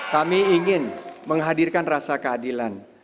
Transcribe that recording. kami ingin menghadirkan rasa keadilan